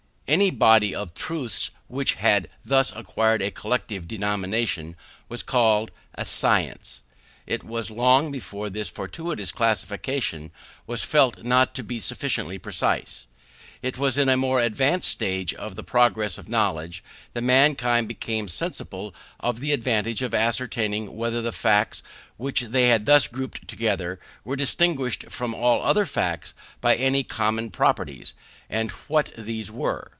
Any body of truths which had thus acquired a collective denomination, was called a science. It was long before this fortuitous classification was felt not to be sufficiently precise. It was in a more advanced stage of the progress of knowledge that mankind became sensible of the advantage of ascertaining whether the facts which they had thus grouped together were distinguished from all other facts by any common properties, and what these were.